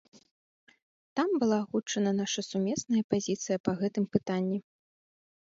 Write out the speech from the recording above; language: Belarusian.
Там была агучана наша сумесная пазіцыя па гэтым пытанні.